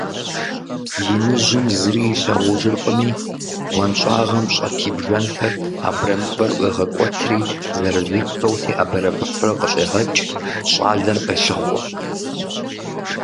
Иныжьым зыри илъагъужыркъыми, бгъуэнщӀагъым щӀэт и бжэнхэр абрэмывэр ӀуегъэкӀуэтри зырызыххэу теӏэбэрэбыхьурэ къыщӀегъэкӀ, щӀалэр къелъыхъуэ.